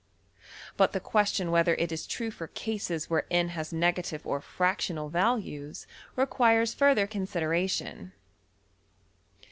] But the question whether it is true for cases where $n$ has negative or fractional values requires further consideration.